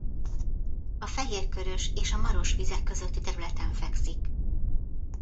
A Fehér-Körös és a Maros vize közötti területen fekszik.